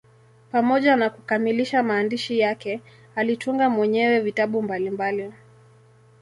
Pamoja na kukamilisha maandishi yake, alitunga mwenyewe vitabu mbalimbali.